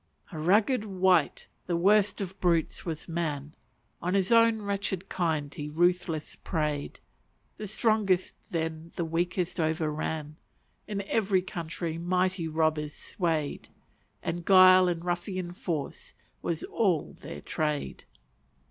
A rugged wight, the worst of brutes, was man; On his own wretched kind he ruthless prey'd. The strongest then the weakest overran, In every country mighty robbers sway'd, And guile and ruffian force was all their trade.